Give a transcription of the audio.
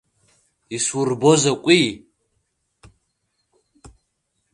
Исурбо закәи?